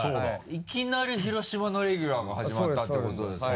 いきなり広島のレギュラーが始まったってことですよね？